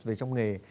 về trong nghề